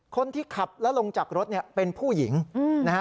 คนที่ขับแล้วลงจากรถเนี่ยเป็นผู้หญิงนะฮะ